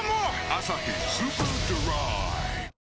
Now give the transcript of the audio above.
「アサヒスーパードライ」